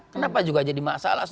kenapa juga jadi masalah